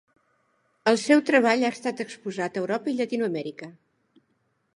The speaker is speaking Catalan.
El seu treball ha estat exposat a Europa i Llatinoamèrica.